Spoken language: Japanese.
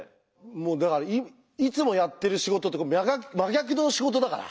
もうだからいつもやってる仕事と真逆の仕事だから。